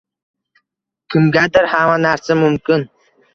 kimgadir hamma narsa mumkin